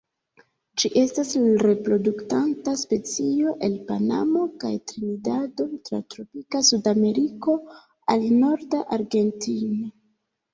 Ĝi estas reproduktanta specio el Panamo kaj Trinidado tra tropika Sudameriko al norda Argentino.